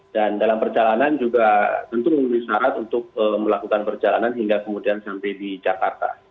dan dalam perjalanan juga tentu disarat untuk melakukan perjalanan hingga kemudian sampai di jakarta